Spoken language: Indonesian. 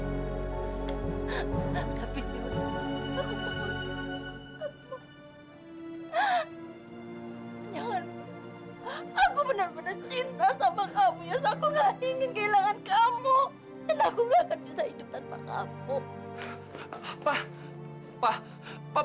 dan aku gak akan bisa hidup tanpa kamu